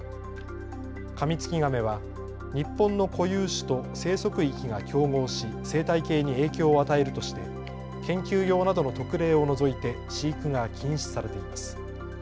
カミツキガメは日本の固有種と生息域が競合し生態系に影響を与えるとして研究用などの特例を除いて飼育が禁止されています。